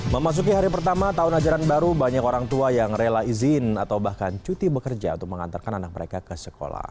memasuki hari pertama tahun ajaran baru banyak orang tua yang rela izin atau bahkan cuti bekerja untuk mengantarkan anak mereka ke sekolah